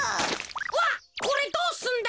わっこれどうすんだ？